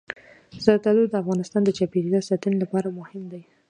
زردالو د افغانستان د چاپیریال ساتنې لپاره مهم دي.